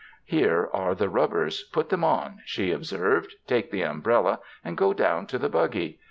''Here are the rubbers, put them on," she ob served; "take the umbrella, and go down to the buggy.